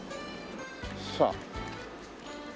さあ。